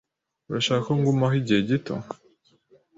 Urashaka ko ngumaho igihe gito?